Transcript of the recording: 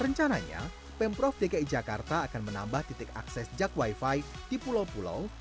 rencananya pemprov dki jakarta akan menambah titik akses jak wifi di pulau pulau